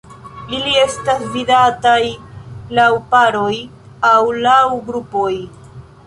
Ili estas vidataj laŭ paroj aŭ laŭ grupoj.